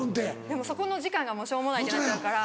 でもそこの時間がしょうもないってなっちゃうから。